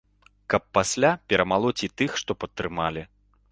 Каб пасля перамалоць і тых, што падтрымалі.